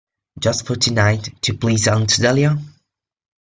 Just for tonight, to please Aunt Dahlia?